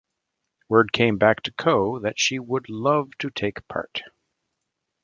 Word came back to Coe that she would love to take part.